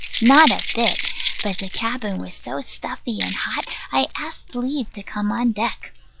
Not a bit: but the cabin was so stuffy and hot, I asked leave to come on deck.